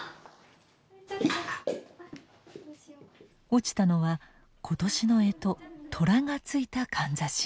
落ちたのは今年の干支寅がついたかんざし。